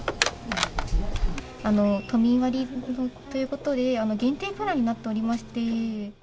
都民割ということで、限定プランになっておりまして。